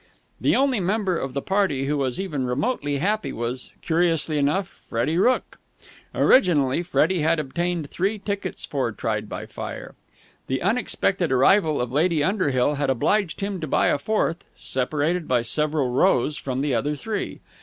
The only member of the party who was even remotely happy was, curiously enough, Freddie Rooke. Originally Freddie had obtained three tickets for "Tried by Fire." The unexpected arrival of Lady Underhill had obliged him to buy a fourth, separated by several rows from the other three.